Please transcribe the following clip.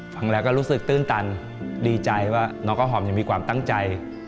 ฟังแล้วก็รู้สึกตื้นตันดีใจว่าน้องข้าวหอมยังมีความตั้งใจ